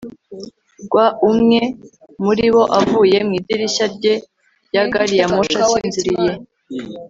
rwa umwe muri bo avuye mu idirishya rye rya gari ya moshi asinziriye